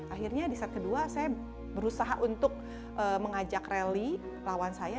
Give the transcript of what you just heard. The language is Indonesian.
akhirnya di set kedua saya berusaha untuk mengajak rally lawan saya